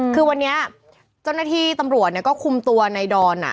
คือวันนี้เจ้าหน้าที่ตำรวจก็คุมตัวในดอน